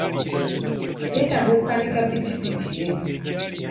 Yeetaaga okukanika pikipiki ye.